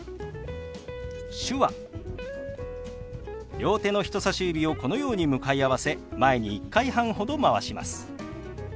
両手の人さし指をこのように向かい合わせ前に１回半ほどまわします。